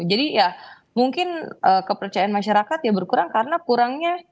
jadi ya mungkin kepercayaan masyarakat ya berkurang karena kurangnya